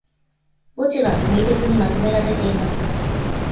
墓地は国別にまとめられています。